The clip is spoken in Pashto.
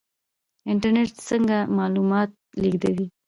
انټرنیټ څنګه معلومات لیږدوي؟